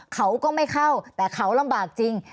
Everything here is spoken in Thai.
เขาก็ไม่เข้าแต่เขาลำบากจริง